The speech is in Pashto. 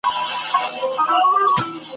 د کابل پوهنتون